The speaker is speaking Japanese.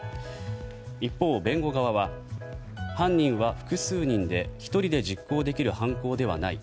一方、弁護側は犯人は複数人で１人で実行できる犯行ではない。